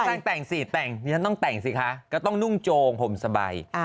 ต้องแต่งสิต้องแต่งสิค่ะก็ต้องนุ่งจงผมสบาย